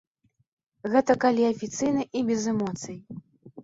Гэта калі афіцыйна і без эмоцый.